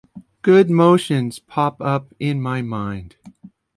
Good motions pop up in my mind.